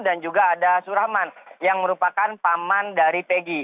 dan juga ada surawan yang merupakan paman dari pegi